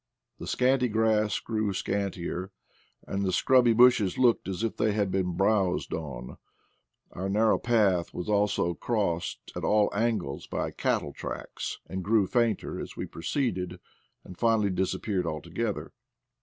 The scanty grass grew scantier, and the scrubby bushes looked as if they had been browsed on; our narrow path was also crossed at all angles by cattle tracks, and grew fainter as we proceeded, and finally disappeared altogether.